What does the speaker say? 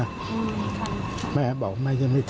เราก็ลืมตาเราก็ลืมตาเราก็ลืมตา